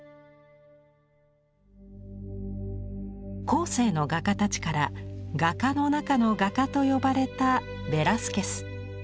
後世の画家たちから「画家の中の画家」と呼ばれたベラスケス。